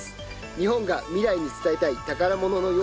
日本が未来に伝えたい宝物のような大自然。